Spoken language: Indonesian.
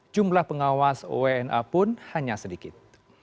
jumlah pengawas wna pun hanya sedikit